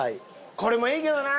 これもいいけどな！